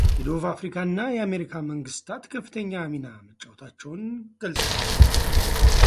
የደቡብ አፍሪካ እና የአሜሪካ መንግሥታት ከፍተኛ ሚና መጫወታቸውን ገልጸዋል።